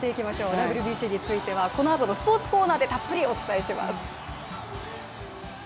ＷＢＣについては、このあとのスポーツコーナーでたっぷりお伝えします。